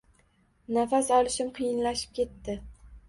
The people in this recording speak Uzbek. Nafas olishim qiyinlashib ketdi.